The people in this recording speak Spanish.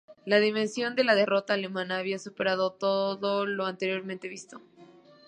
La dimensión de la derrota alemana había superado todo lo anteriormente visto.